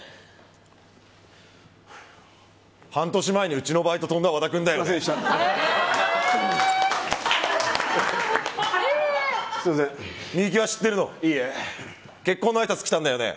半年前にうちのバイト飛んだ和田君だよね？